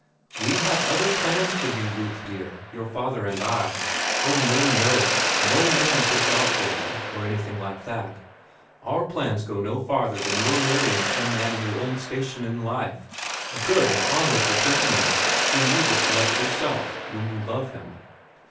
"We have other plans for you, Ruth, dear, your father and I—oh, no, no; no man picked out for you, or anything like that. Our plans go no farther than your marrying some man in your own station in life, a good and honorable gentleman, whom you will select yourself, when you love him."